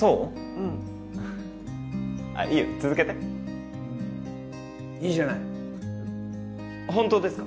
うんあっいいよ続けていいじゃない本当ですか！？